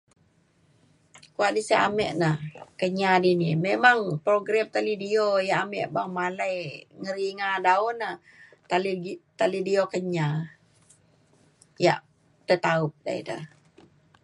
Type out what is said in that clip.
Kua' dise ame na Kenyah dini memang program Ta Lideo ya ame beng malai ngeliga dau na Ta Lideo Kenyah. Ya tai taup dai da.